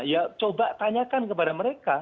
ya coba tanyakan kepada mereka